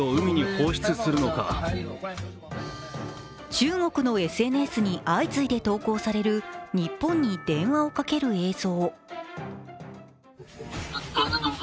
中国のＳＮＳに相次いで投稿される日本に電話をかける映像。